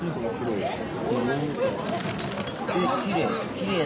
きれい。